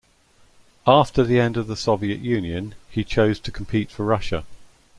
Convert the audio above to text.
After the end of the Soviet Union, he chose to compete for Russia.